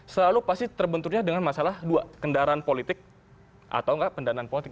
selalu pasti terbenturnya dengan masalah dua kendaraan politik atau enggak pendanaan politik